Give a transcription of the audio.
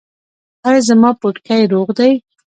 ایا زما پوټکی روغ دی؟